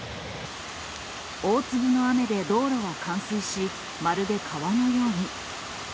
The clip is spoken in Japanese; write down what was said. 大粒の雨で道路は冠水し、まるで川のように。